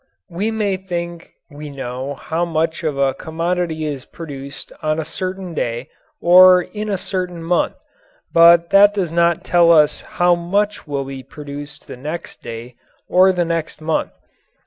We may think we know how much of a commodity is produced on a certain day or in a certain month, but that does not tell us how much will be produced the next day or the next month.